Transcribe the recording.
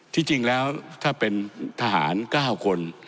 ที่จริงแล้วถ้าเป็นทหาร๙คน